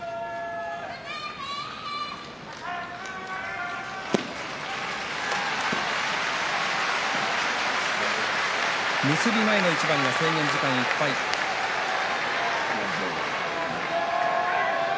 拍手結び前の一番制限時間いっぱいです。